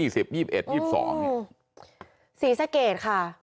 ศรีสะเกดค่ะ